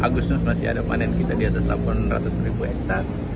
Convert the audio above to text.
agustus masih ada panen kita di atas delapan ratus ribu hektare